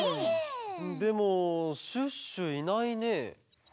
でもシュッシュいないね。